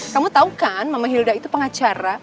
kamu tahu kan mama hilda itu pengacara